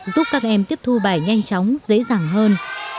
giúp các em tiếp thu bài nhanh chóng dễ dàng hơn